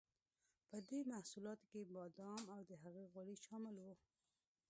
په دې محصولاتو کې بادام او د هغه غوړي شامل وو.